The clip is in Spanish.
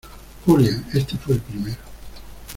Julia, este fue el primero.